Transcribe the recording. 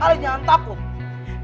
ale jangan takut